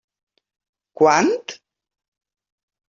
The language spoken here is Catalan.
Quant?